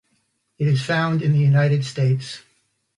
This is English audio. It is found in the United States.